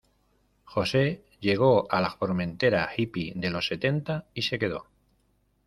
José llegó a la Formentera hippy de los setenta y se quedó.